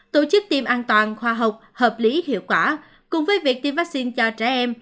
tổ chức tiêm an toàn khoa học hợp lý hiệu quả cùng với việc tiêm vaccine cho trẻ em